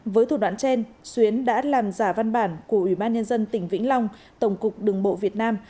với thủ đoạn trên xuyến đã làm giả văn bản của ủy ban nhân dân tỉnh vĩnh long tổng cục đường bộ việt nam